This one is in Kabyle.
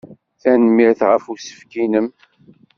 Tanemmirt ɣef usefk-nnem.